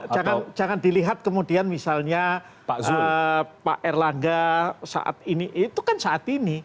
jadi jangan dilihat kemudian misalnya pak erlangga saat ini itu kan saat ini